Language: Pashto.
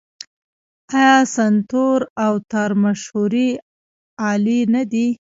آیا سنتور او تار مشهورې الې نه دي؟